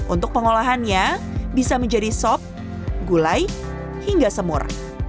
untuk pengolahannya bisa menjadi sop gulai hingga semur